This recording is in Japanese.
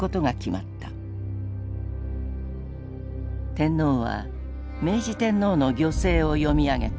天皇は明治天皇の御製を読み上げた。